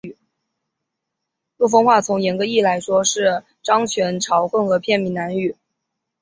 陆丰话从严格意义上来说是漳泉潮混合片闽南语。